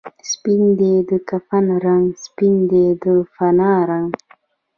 سپین دی د کفن رنګ، سپین دی د فنا رنګ